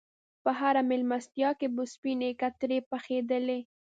په هره میلمستیا کې به سپینې کترې پخېدلې.